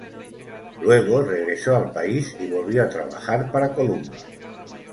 Luego regresó al país y volvió a trabajar para Columba.